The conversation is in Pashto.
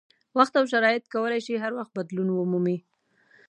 وخت او شرایط کولای شي هر وخت بدلون ومومي.